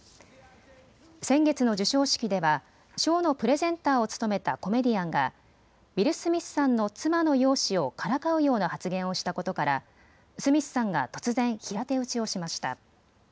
先月の授賞式では賞のプレゼンターを務めたコメディアンがウィル・スミスさんの妻の容姿をからかうような発言をしたことからスミスさんが突然、平手打ちをしました。